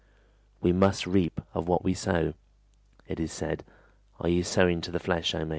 We must reap of what we sow, it is said: Are you sowing to the flesh, O maid?